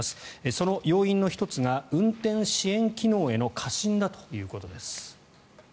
その要因の１つが運転支援機能への過信だということです。